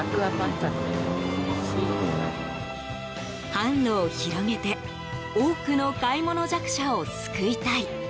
販路を広げて多くの買い物弱者を救いたい。